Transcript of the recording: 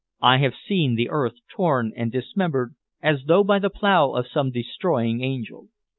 "I have seen the earth torn and dismembered as though by the plough of some destroying angel.